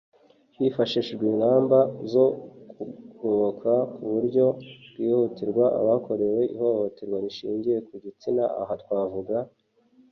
hifashishijwe ingamba zo kugoboka ku buryo bwihutirwa abakorewe ihohoterwa rishingiye ku gitsina aha twavuga